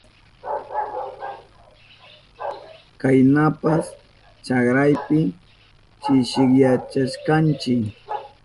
Kaynapas chakrapi chishiyashkanchi.